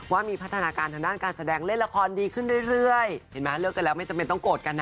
ว่ามีพัฒนาการทางด้านการแสดงเล่นละครดีขึ้นเรื่อยเห็นไหมเลิกกันแล้วไม่จำเป็นต้องโกรธกันนะ